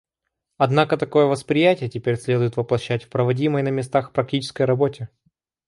Однако такое восприятие теперь следует воплощать в проводимой на местах практической работе.